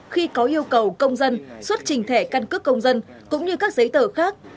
khi có yêu cầu công dân xuất trình thẻ căn cước công dân cũng như các giấy tờ khác